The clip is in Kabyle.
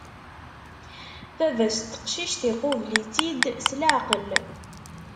Baba-s n teqcict, iqubel-itt-id s leɛqel.